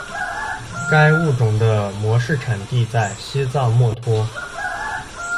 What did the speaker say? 该物种的模式产地在西藏墨脱。